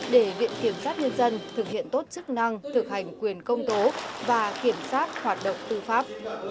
để viện kiểm sát nhân dân thực hiện tốt chức năng thực hành quyền công tố và kiểm soát hoạt động tư pháp